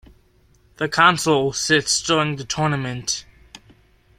The council sits during the tournament.